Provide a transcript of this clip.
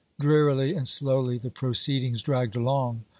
Drearily and slowly the proceedings dragged along.